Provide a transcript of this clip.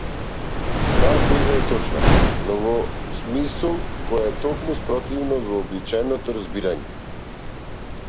Таа теза е точна, но во смисла која е токму спротивна од вообичаеното разбирање.